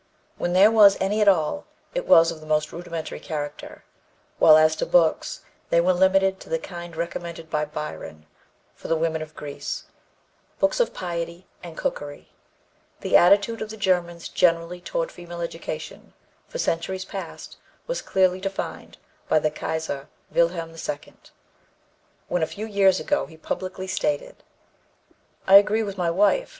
When there was any at all, it was of the most rudimentary character, while as to books, they were limited to the kind recommended by Byron for the women of modern Greece "books of piety and cookery." The attitude of the Germans generally toward female education, for centuries past, was clearly defined by the Kaiser Wilhelm II, when, a few years ago, he publicly stated: "I agree with my wife.